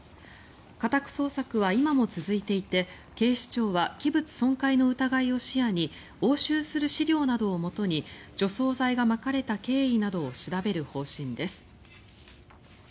家宅捜索は今も続いていて警視庁は器物損壊の疑いを視野に押収する資料などをもとに除草剤がまかれた経緯などを調べる方針です。